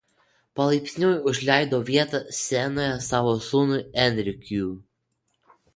Palaipsniui užleido vietą scenoje savo sūnui Enrique.